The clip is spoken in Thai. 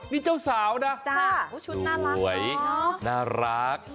นี่เจ้าสาวนะชุดน่ารักสวยน่ารัก